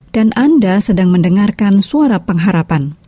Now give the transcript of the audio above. dan anda sedang mendengarkan suara pengharapan